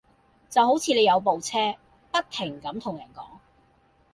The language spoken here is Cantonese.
就好似你有部車，不停咁同人講